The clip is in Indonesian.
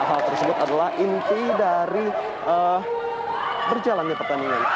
hal tersebut adalah inti dari berjalannya pertandingan